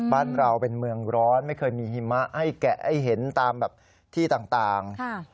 บ้านเราเป็นเมืองร้อนไม่เคยมีหิมะให้แกะให้เห็นตามแบบที่ต่าง